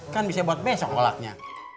kan bisa buat besok kolaknya